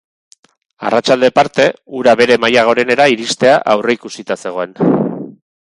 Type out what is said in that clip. Arratsalde parte ura bere maila gorenera iristea aurreikusita zegoen.